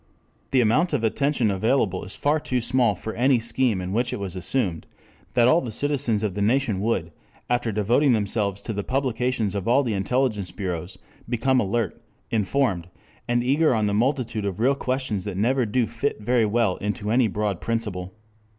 The amount of attention available is far too small for any scheme in which it was assumed that all the citizens of the nation would, after devoting themselves to the publications of all the intelligence bureaus, become alert, informed, and eager on the multitude of real questions that never do fit very well into any broad principle.